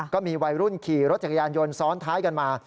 ก็มีวัยรุ่นขี่รถจักรยานยนต์ซ้อนท้ายกันมา